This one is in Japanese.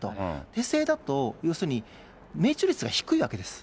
手製だと、要するに命中率が低いわけです。